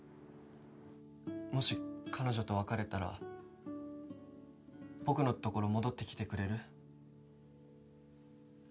もし彼女と別れたら僕のところ戻ってきてくれる？